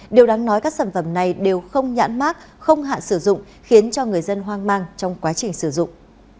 điều đáng nói các sản phẩm này đều không nhãn mát không hạn sử dụng khiến cho người dân hoang mang trong quá trình sử dụng